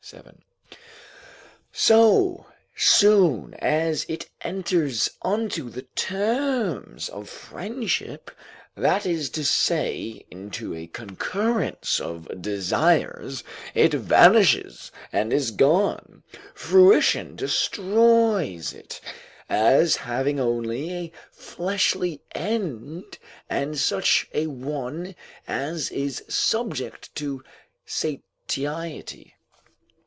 7.] so soon as it enters unto the terms of friendship, that is to say, into a concurrence of desires, it vanishes and is gone, fruition destroys it, as having only a fleshly end, and such a one as is subject to satiety.